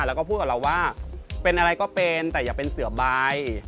แล้วก็พูดกับเราว่าเป็นอะไรก็เป็นแต่อย่าเป็นเสือใบ